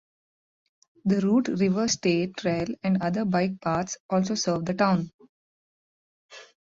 The Root River State Trail and other bike paths also serve the town.